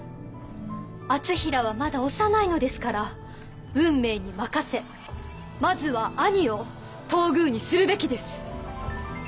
敦成はまだ幼いのですから運命に任せまずは兄を東宮にするべきです。